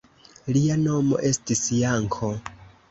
Lia nomo estis Janko.